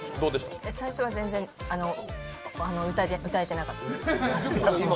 最初は全然歌えてなかった。